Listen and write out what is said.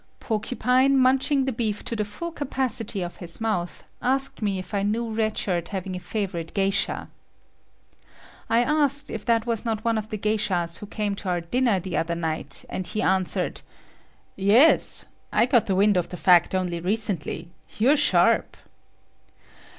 Porcupine, munching the beef to the full capacity of his mouth, asked me if I knew Red Shirt having a favorite geisha. I asked if that was not one of the geishas who came to our dinner the other night, and he answered, "Yes, I got the wind of the fact only recently; you're sharp."